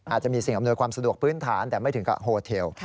อาจจะมีสิ่งอำนวยความสะดวกพื้นฐานแต่ไม่ถึงกับโฮเทล